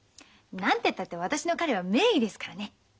何てったって私の彼は名医ですからね。なんてね。